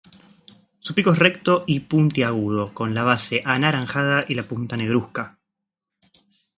Su pico es recto y puntiagudo, con la base anaranjada y la punta negruzca.